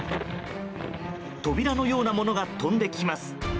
扉のようなものが飛んできます。